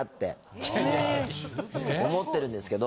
思ってるんですけど。